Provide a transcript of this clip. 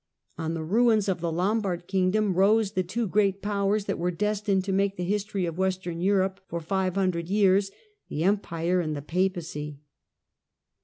On the ruins of the Lombard kingdom rose the two great powers that were destined to make the history of Western Europe for five hundred years — the Empire and the Papacy.